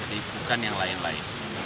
jadi bukan yang lain lain